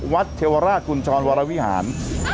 วัดเทวราชกุณศรวรวิหาร